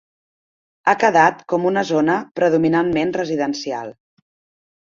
Ha quedat com una zona predominantment residencial.